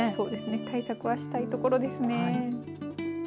対策はしたいところですね。